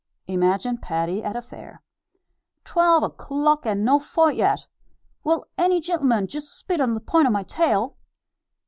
Imagine Paddy at a fair: "Twelve o'clock, and no foight yet! Will any gintleman just spit on the point of my tail?"